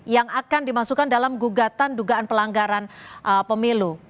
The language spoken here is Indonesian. yang akan dimasukkan dalam gugatan dugaan pelanggaran pemilu